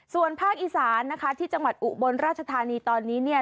ส่วนภาคอีสานนะคะที่จังหวัดอุบลราชธานีตอนนี้เนี่ย